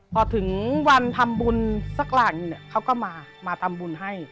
พอถึงวันทำบุญสักหลังนึงเขาก็มามาทำบุญให้